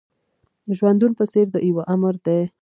ژوندون په څېر د يوه آمر دی.